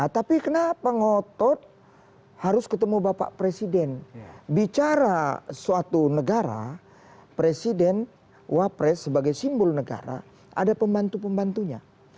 tapi kenapa ngotot harus ketemu bapak presiden bicara suatu negara presiden wapres sebagai simbol negara ada pembantu pembantunya